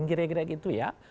gira gira gitu ya